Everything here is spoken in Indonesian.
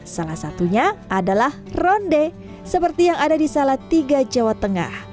salah satunya adalah ronde seperti yang ada di salatiga jawa tengah